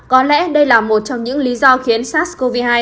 có lẽ đây là một trong những lý do khiến sars cov hai